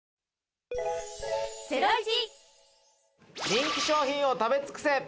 人気商品を食べ尽くせ。